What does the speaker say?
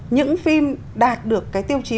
những phim đạt được cái tiêu chí